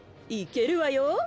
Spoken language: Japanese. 行けるわよ